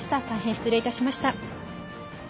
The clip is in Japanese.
大変、失礼いたしました。